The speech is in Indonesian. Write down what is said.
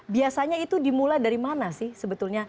biasanya itu dimulai dari mana sih sebetulnya